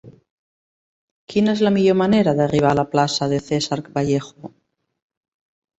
Quina és la millor manera d'arribar a la plaça de César Vallejo?